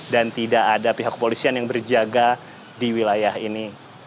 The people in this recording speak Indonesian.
dan tidak ada pihak polisian yang berjaga di wilayah ini